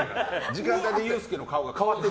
時間帯でユースケの顔が変わっていく。